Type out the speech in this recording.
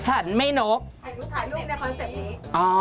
ใครนกสันไม่นกในคอนเซปต์นี้